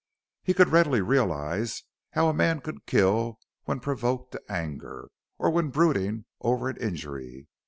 He could readily realize how a man could kill when provoked to anger, or when brooding over an injury.